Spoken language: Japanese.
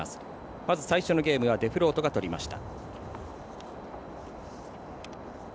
まず最初のゲームはデフロートが取りました。